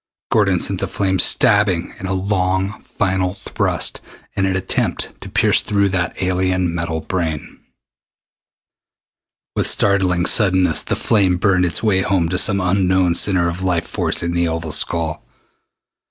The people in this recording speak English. Gordon sent the flame stabbing in a long final thrust in an attempt to pierce through to that alien metal brain. With startling suddenness the flame burned its way home to some unknown center of life force in the oval skull.